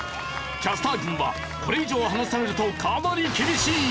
キャスター軍はこれ以上離されるとかなり厳しい！